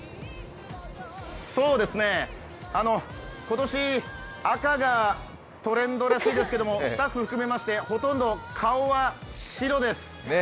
今年、赤がトレンドらしいですけど、スタッフ含めましてほとんど、顔は白です。